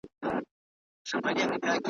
نیم وجود دي په زړو جامو کي پټ دی `